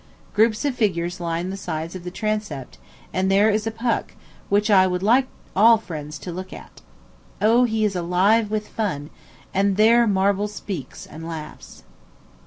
Groups of figures line the sides of the transept, and there is a Puck which I would like all friends to look at. O, he is alive with fun, and there marble speaks and laughs.